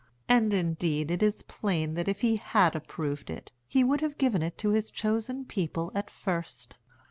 And, indeed, it is plain that if he had approved it, he would have given it to his chosen people at first.